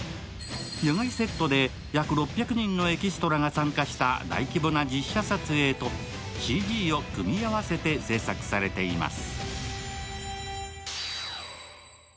野外セットで約６００人のエキストラが参加した大規模な実写撮影とＣＧを組み合わせて製作されています。